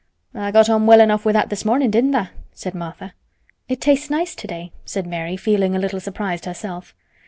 "Tha' got on well enough with that this mornin', didn't tha'?" said Martha. "It tastes nice today," said Mary, feeling a little surprised herself.